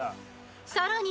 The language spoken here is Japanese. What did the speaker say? ［さらに］